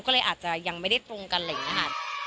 ก็เลยอาจจะยังไม่ได้ตรงกันเลยนะคะ